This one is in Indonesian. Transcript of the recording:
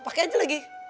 pakai aja lagi